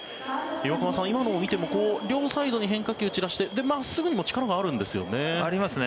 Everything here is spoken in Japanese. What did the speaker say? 岩隈さん、今のを見ても両サイドに変化球を散らして真っすぐにも力があるんですよね。